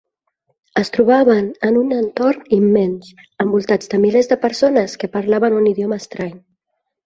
Es trobaven en un entorn immens, envoltats de milers de persones que parlaven un idioma estrany.